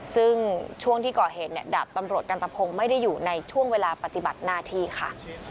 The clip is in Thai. ซึ่งช่วงที่ก่อเหตุเนี่ยดาบตำรวจกันตะพงศ์ไม่ได้อยู่ในช่วงเวลาปฏิบัติหน้าที่ค่ะ